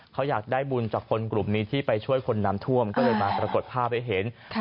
เขาอยากได้บุญจากคนกลุ่มนี้ที่ไปช่วยคนน้ำท่วมก็เลยมาปรากฏภาพให้เห็น